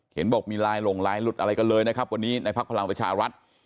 เห็นบอกมีไลน์หลงลายหลุดอะไรกันเลยนะครับวันนี้ในพักพลังประชารัฐ